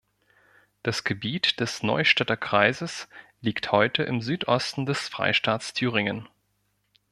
Das Gebiet des Neustädter Kreises liegt heute im Südosten des Freistaats Thüringen.